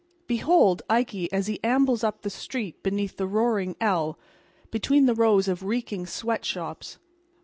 Behold Ikey as he ambles up the street beneath the roaring "El" between the rows of reeking sweat shops.